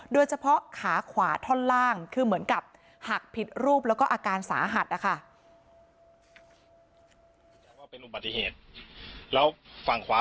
โดยเฉพาะขาขวาท่อนล่างคือเหมือนกับหักผิดรูปแล้วก็อาการสาหัสนะคะ